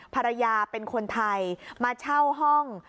ภรรยาเป็นคนไทยมาเช่าห้อง